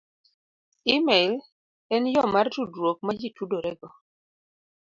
c- E-mail En yo mar tudruok ma ji tudorego